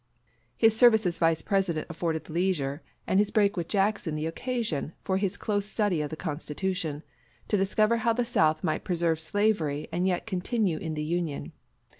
His service as Vice President afforded the leisure and his break with Jackson the occasion, for his close study of the Constitution, to discover how the South might preserve slavery and yet continue in the Union.